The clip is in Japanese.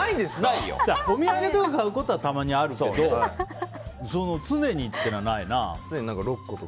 お土産とか買うことはたまにあるけど常にっていうのはないな。